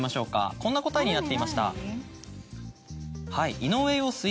こんな答えになっていました。